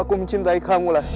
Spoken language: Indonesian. aku mucin dari kamu last